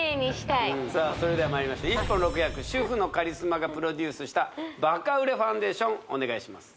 それではまいりましょう１本６役主婦のカリスマがプロデュースしたバカ売れファンデーションお願いします